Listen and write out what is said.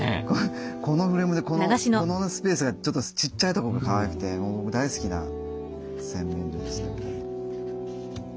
このフレームでこのスペースがちょっとちっちゃいとこがかわいくて大好きな洗面所ですね。